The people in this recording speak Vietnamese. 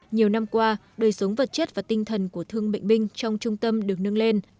nhiều năm qua đời sống vật chất và tinh thần của thương bệnh binh trong trung tâm được nâng lên